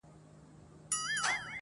o څنگه دي د زړه سيند ته غوټه سمه.